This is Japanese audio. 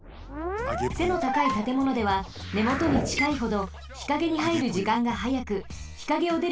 せのたかいたてものではねもとにちかいほど日陰にはいるじかんがはやく日陰をでるじかんがおそくなります。